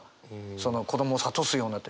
その子どもを諭すようなって。